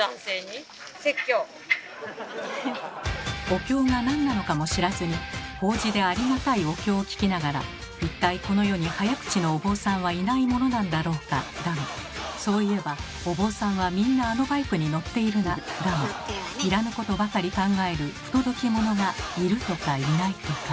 お経が何なのかも知らずに法事でありがたいお経を聞きながら「一体この世に早口のお坊さんはいないものなんだろうか」だの「そういえばお坊さんはみんなあのバイクに乗っているな」だの要らぬことばかり考える不届き者がいるとかいないとか。